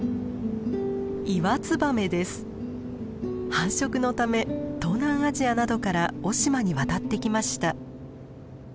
繁殖のため東南アジアなどから雄島に渡ってきました。